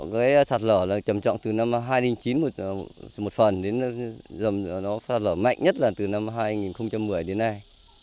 cái sạt lở là trầm trọng từ năm hai nghìn chín một phần đến dầm nó sạt lở mạnh nhất là từ năm hai nghìn một mươi đến nay